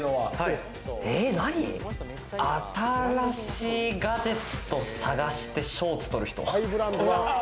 新しいガジェット探してショーとる人。